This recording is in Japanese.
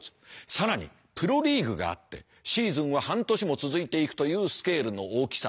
更にプロリーグがあってシーズンは半年も続いていくというスケールの大きさ。